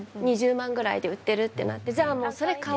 ２０万くらいで売ってるってなってじゃそれ